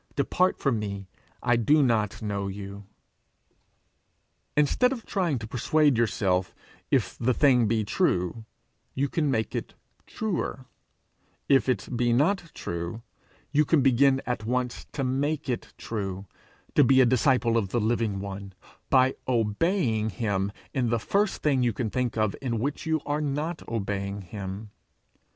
Depart from me; I do not know you!' Instead of trying to persuade yourself, if the thing be true you can make it truer; if it be not true, you can begin at once to make it true, to be a disciple of the Living One by obeying him in the first thing you can think of in which you are not obeying him.